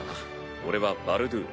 俺はバルドゥール。